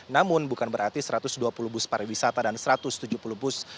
namun bukan berarti satu ratus dua puluh bus pariwisata dan satu ratus tujuh puluh bus